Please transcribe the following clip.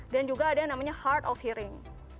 dan juga ada yang namanya hard of hearing